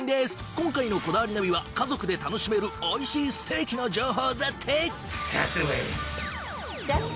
今回の『こだわりナビ』は家族で楽しめる美味しいステーキの情報だって！